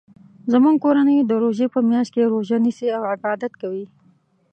زموږ کورنۍ د روژی په میاشت کې روژه نیسي او عبادت کوي